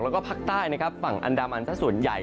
แล้วก็ภาคใต้ฝั่งอันดามอันทรัศน์ส่วนใหญ่